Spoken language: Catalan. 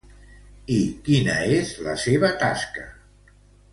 I quina és la seva tasca?